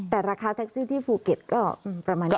แต่ราคาแท็กซี่ที่ภูเก็ตก็ประมาณนี้